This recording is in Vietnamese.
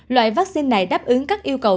loại vaccine này đáp ứng các yêu cầu